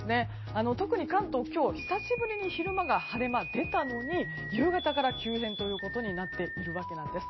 特に関東、今日は久しぶりに晴れ間が出たのに夕方から急変ということになっているんです。